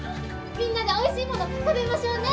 みんなでおいしいもの食べましょうね！